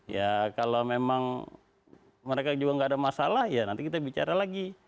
ya kalau memang mereka juga nggak ada masalah ya nanti kita bicara lagi